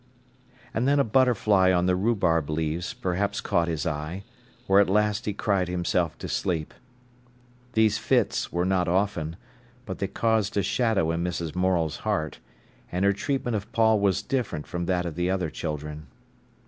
And then a butterfly on the rhubarb leaves perhaps caught his eye, or at last he cried himself to sleep. These fits were not often, but they caused a shadow in Mrs. Morel's heart, and her treatment of Paul was different from that of the other children.